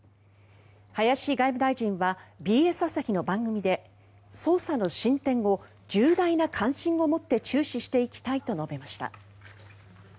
林外務大臣はＢＳ朝日の番組で捜査の進展を重大な関心を持って注視していきたいと述べました。